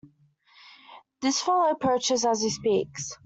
This fellow approaches as he speaks.